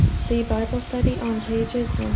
(See Bible Study on pages 129, 130.)